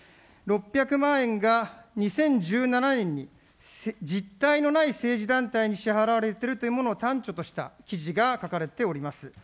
６００万円が２０１７年に実体のない政治団体に支払われているというものを端緒とした記事が書かれております。